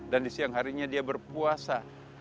dan di siang harinya dia berpuasa